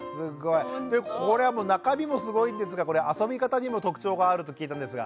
これはもう中身もすごいんですがこれ遊び方にも特徴があると聞いたんですが？